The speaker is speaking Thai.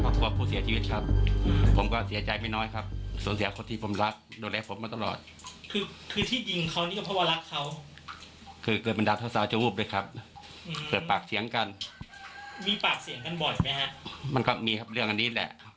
มันก็มีเรื่องอันนี้แหละ